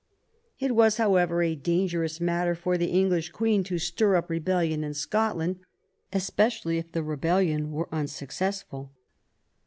It was, however, a dangerous matter for the English Queen to stir up rebellion in Scotland, especially if the rebellion were unsuccessful.